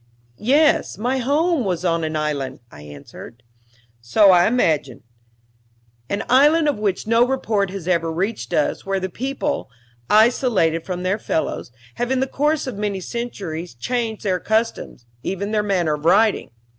"Yes, my home was on an island," I answered. "So I imagined. An island of which no report has ever reached us, where the people, isolated from their fellows, have in the course of many centuries changed their customs even their manner of writing.